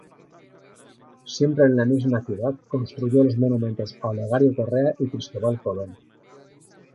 Siempre en la misma ciudad construyó los monumentos a Olegario Correa y Cristobal Colón.